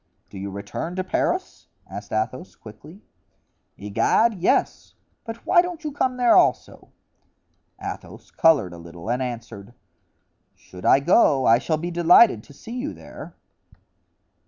"Do you return to Paris?" asked Athos, quickly. "Egad! yes; but why don't you come there also?" Athos colored a little and answered: "Should I go, I shall be delighted to see you there."